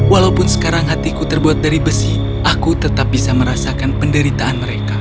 walaupun sekarang hatiku terbuat dari besi aku tetap bisa merasakan penderitaan mereka